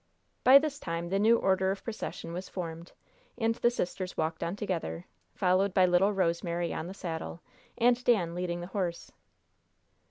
By this time the new order of procession was formed, and the sisters walked on together, followed by little Rosemary on the saddle, and Dan leading the horse.